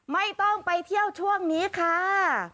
ไม่ต้องไปเที่ยวช่วงนี้ค่ะ